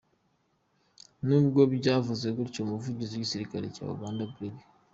Nubwo byavuzwe gutyo, umuvugizi w’igisirikare cya Uganda, Brig.